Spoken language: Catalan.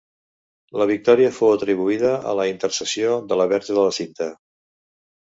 La victòria fou atribuïda a la intercessió de la Verge de la Cinta.